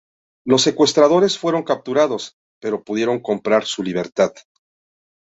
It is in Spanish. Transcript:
Los secuestradores fueron capturados, pero pudieron comprar su libertad.